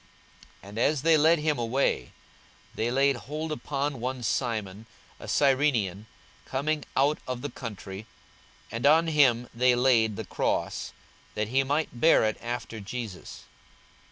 42:023:026 And as they led him away, they laid hold upon one Simon, a Cyrenian, coming out of the country, and on him they laid the cross, that he might bear it after Jesus.